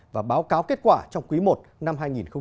và báo cáo kết quả trong quý i năm hai nghìn hai mươi